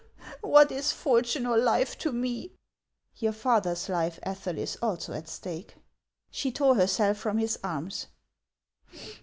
What is fortune or life to me?" " Your father's life, Ethel, is also at stake." She tore herself from his arms.